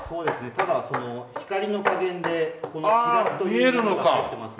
ただ光の加減でこの雲母というものが入ってますので。